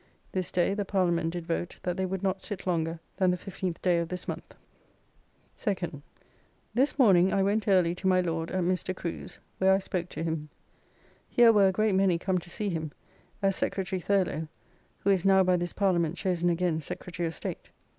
This day the Parliament did vote that they would not sit longer than the 15th day of this month. 2d. This morning I went early to my Lord at Mr. Crew's, where I spoke to him. Here were a great many come to see him, as Secretary Thurlow who is now by this Parliament chosen again Secretary of State.